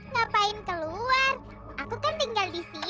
hah ngapain keluar aku kan tinggal disini